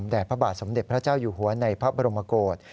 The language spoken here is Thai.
พระบาทสมเด็จพระเจ้าอยู่หัวในพระบรมโกศ